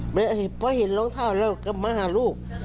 เพราะเห็นรองเท้าแล้วก็มาหาลูก